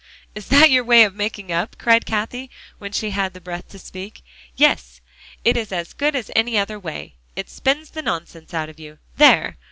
"Is that your way of making up?" cried Cathie, when she had the breath to speak. "Yes; it is as good as any other way. It spins the nonsense out of you. There!"